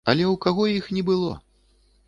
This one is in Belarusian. Але ў каго іх не было?